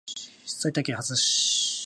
埼玉県蓮田市